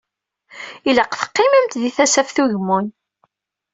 Ilaq teqqimemt di Tasaft Ugemmun.